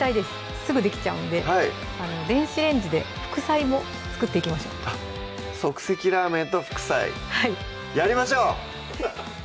すぐできちゃうんで電子レンジで副菜も作っていきましょう即席ラーメンと副菜やりましょう！